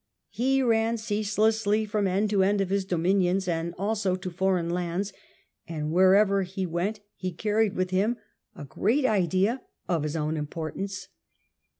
He ran ceaselessly from end to end of his dominions and also to foreign lands, and wherever he went he carried with him a great idea of his own importance.